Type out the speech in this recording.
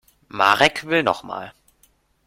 Marek will noch mal.